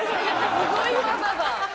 すごい技だ。